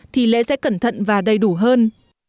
thì lễ sẽ cẩn thận và đầy đủ hơn